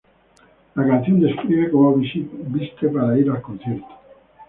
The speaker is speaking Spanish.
La canción describe cómo viste para ir al concierto.